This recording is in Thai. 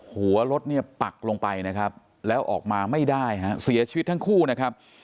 หัวรถเนี่ยปักลงไปนะครับแล้วออกมาไม่ได้ฮะเสียชีวิตทั้งคู่นะครับ